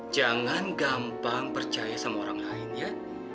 jangan gampang percaya sama orang lain ya